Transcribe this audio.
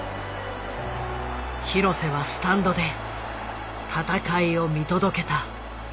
廣瀬はスタンドで戦いを見届けた。